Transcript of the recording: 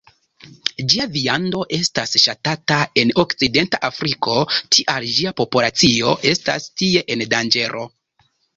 Ĝia viando estas ŝatata en okcidenta Afriko, tial ĝia populacio estas tie en danĝero.